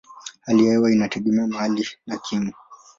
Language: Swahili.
Hali ya hewa inategemea mahali na kimo.